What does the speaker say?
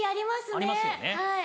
ありますよね。